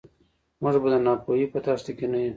موږ به د ناپوهۍ په دښته کې نه یو.